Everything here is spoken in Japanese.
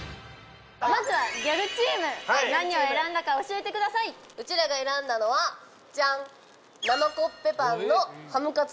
まずはギャルチーム何を選んだか教えてくださいうちらが選んだのはジャン！